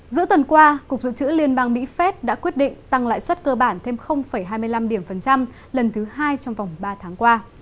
giữa tuần qua cục dự trữ liên bang mỹ fed đã quyết định tăng lại xuất cơ bản thêm hai mươi năm lần thứ hai trong vòng ba tháng qua